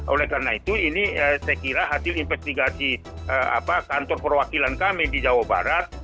oleh karena itu ini saya kira hasil investigasi kantor perwakilan kami di jawa barat